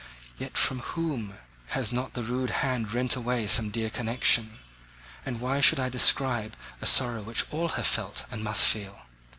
Yet from whom has not that rude hand rent away some dear connection? And why should I describe a sorrow which all have felt, and must feel?